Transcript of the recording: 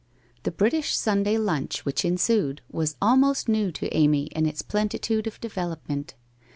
The British Sunday lunch which ensued was almost new to Amy in its pleni tude of development.